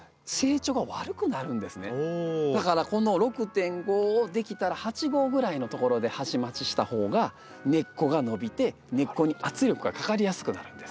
だからこの６．５をできたら８号ぐらいのところで鉢増しした方が根っこが伸びて根っこに圧力がかかりやすくなるんです。